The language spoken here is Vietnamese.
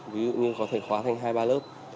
ví dụ như có thể khóa thành hai ba lớp